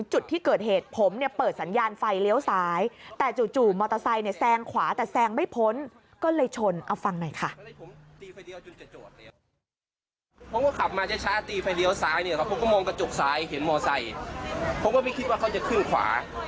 จุดที่เกิดเหตุผมเนี่ยเปิดสัญญาณไฟเลี้ยวซ้ายแต่จู่มอเตอร์ไซค์เนี่ยแซงขวาแต่แซงไม่พ้นก็เลยชนเอาฟังหน่อยค่ะ